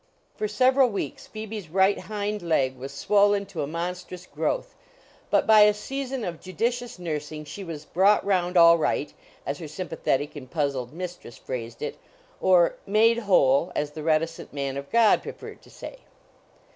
For several weeks Phoebe's right hind leg was swollen to a monstrous growth, but by a season of judicious nursing she was "brought round all right," as her sympathetic and puzzled mistress phrased it, or "made whole," as the reticent man of God preferred to say.